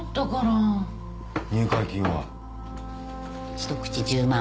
一口１０万。